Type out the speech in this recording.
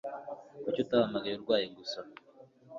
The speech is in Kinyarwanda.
Kuki utahamagaye urwaye gusa